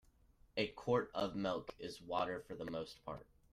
A quart of milk is water for the most part.